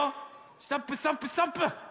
ストップストップストップ！